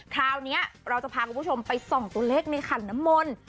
คราวนี้เราจะพาคุณผู้ชมไปส่องตัวเลขในขันน้ำมนต์